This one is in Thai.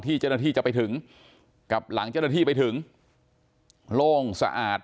เจ้าหน้าที่จะไปถึงกับหลังเจ้าหน้าที่ไปถึงโล่งสะอาด